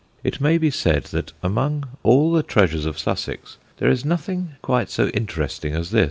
It may be said that among all the treasures of Sussex there is nothing quite so interesting as this.